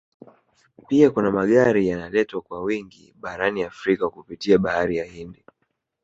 Pia kuna Magari yanaletwa kwa wingi barani Afrika kupitia Bahari ya Hindi